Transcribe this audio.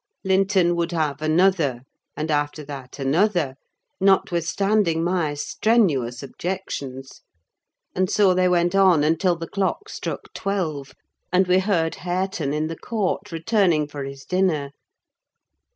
Linton would have another, and after that another, notwithstanding my strenuous objections; and so they went on until the clock struck twelve, and we heard Hareton in the court, returning for his dinner.